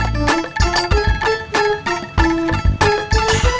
cuma akang dimarahin sama kirani